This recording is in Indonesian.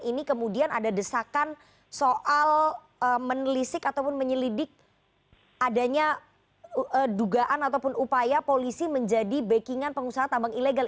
ini kemudian ada desakan soal menelisik ataupun menyelidik adanya dugaan ataupun upaya polisi menjadi backing an pengusaha tambang ilegal